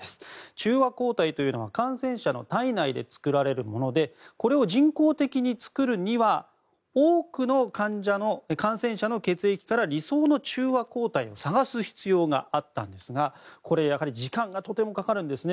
中和抗体というのは感染者の体内で作られるものでこれを人工的に作るには多くの感染者の血液から理想の中和抗体を探す必要があったんですがこれ時間がとてもかかるんですね。